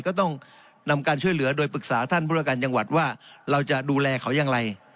ก็ต้องนำการช่วยเหลือโดยปรึกษาท่านผู้ประการจังหวัดว่าเราจะดูแลเขาอย่างไร